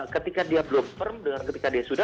ketika dia belum firm ketika dia sudah